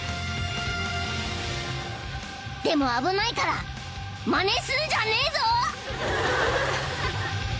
［でも危ないからまねすんじゃねえぞ！］